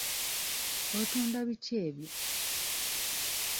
Otunda biki ebyo?